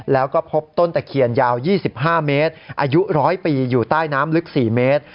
แล้วก็พบต้นตะเคียนยาว๒๕เมตรอายุ๑๐๐ปีอยู่ใต้น้ำลึก๔เมตร